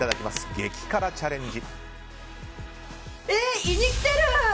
激辛チャレンジ。